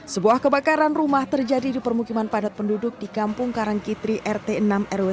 sebuah kebakaran rumah terjadi di permukiman padat penduduk di kampung karangkitri rt enam rw